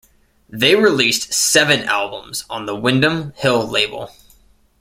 They released seven albums on the Windham Hill label.